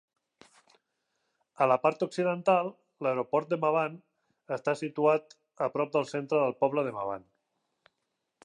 A la part occidental, l'aeroport d'Hemavan està situat a prop del centre del poble d'Hemavan.